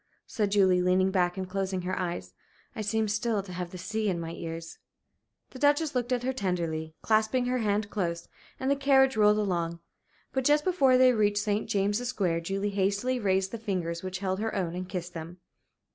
said Julie, leaning back and closing her eyes. "I seem still to have the sea in my ears." The Duchess looked at her tenderly, clasping her hand close, and the carriage rolled along. But just before they reached St. James's Square, Julie hastily raised the fingers which held her own and kissed them.